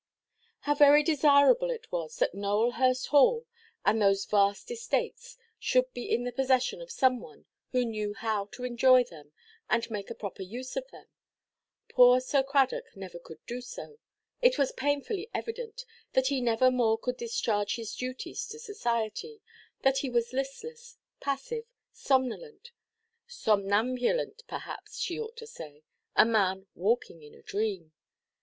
How very desirable it was that Nowelhurst Hall, and those vast estates, should be in the possession of some one who knew how to enjoy them, and make a proper use of them! Poor Sir Cradock never could do so; it was painfully evident that he never more could discharge his duties to society, that he was listless, passive, somnolent,—somnambulant perhaps she ought to say, a man walking in a dream.